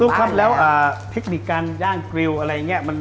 ครับแล้วเทคนิคการย่างกริวอะไรอย่างนี้